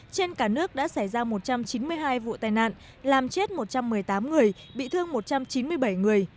trên cả nước đã xảy ra một trăm chín mươi hai vụ tai nạn làm chết một trăm một mươi tám người bị thương một trăm chín mươi bảy người